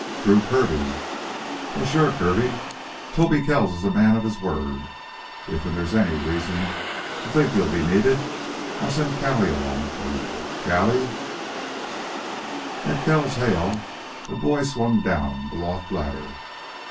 "Drew Kirby." "Wal, sure, Kirby, Tobe Kells is a man o' his word. Iffen there's any reason to think you'll be needed, I'll send Callie along for you. Callie!" At Kells' hail a boy swung down the loft ladder.